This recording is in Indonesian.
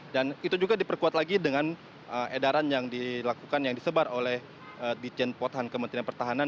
dan itu juga diperkuat lagi dengan edaran yang dilakukan yang disebar oleh dijen potan kementerian pertahanan